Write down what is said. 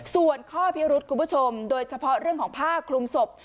ส่วนข้อพิรุธคุณผู้ชมโดยเฉพาะเรื่องของผ้าคลุมศพ